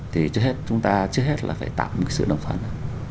thì chúng ta trước hết là phải tạo một sự đồng phấn